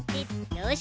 よし。